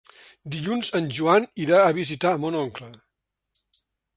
Dilluns en Joan irà a visitar mon oncle.